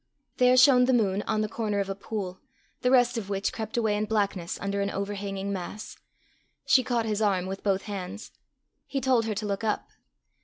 There shone the moon on the corner of a pool, the rest of which crept away in blackness under an overhanging mass. She caught his arm with both hands. He told her to look up.